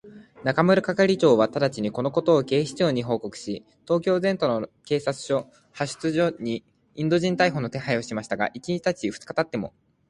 中村係長はただちに、このことを警視庁に報告し、東京全都の警察署、派出所にインド人逮捕の手配をしましたが、一日たち二日たっても、